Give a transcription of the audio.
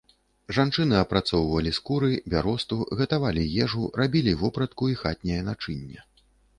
Жанчыны апрацоўвалі скуры, бяросту, гатавалі ежу, рабілі вопратку і хатняе начынне.